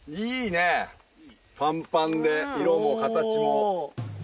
パンパンで色も形も。